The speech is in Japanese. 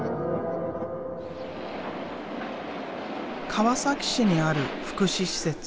川崎市にある福祉施設